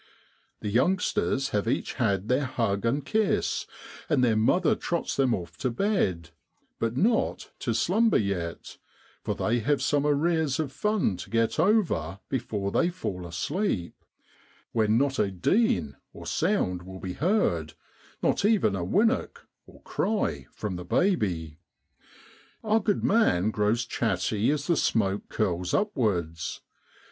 The youngsters have each had their hug and kiss, and their mother trots them off to bed but not to slumber yet, for they have some arrears of fun to get over before they fall asleep, when not a 'deen' will be heard, not even a ' winnock ' (cry) from the baby. Our good man grows chatty as the smoke curls upwards.